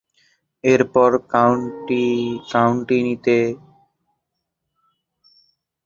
এরপূর্বে কাউন্টিতে ডার্বিশায়ার ও সাসেক্সের পক্ষে খেলেন তিনি।